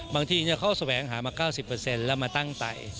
บางทีเขาแสวงหามา๙๐แล้วมาตั้งไต